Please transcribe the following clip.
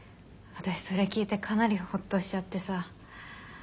私それ聞いてかなりほっとしちゃってさ。